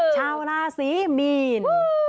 ชาวราศีมีน